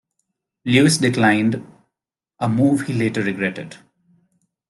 Lewis declined, a move he later regretted.